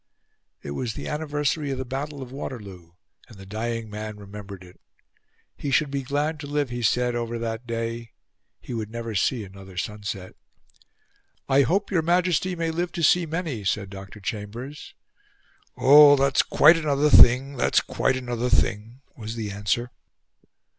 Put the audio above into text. It was the anniversary of the Battle of Waterloo, and the dying man remembered it. He should be glad to live, he said, over that day; he would never see another sunset. "I hope your Majesty may live to see many," said Dr. Chambers. "Oh! that's quite another thing, that's quite another thing," was the answer.